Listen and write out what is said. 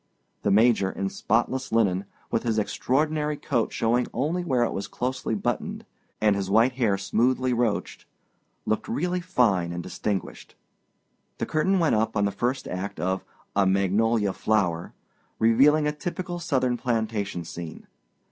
The Major, in spotless linen, with his extraordinary coat showing only where it was closely buttoned, and his white hair smoothly roached, looked really fine and distinguished. The curtain went up on the first act of A Magnolia Flower, revealing a typical Southern plantation scene.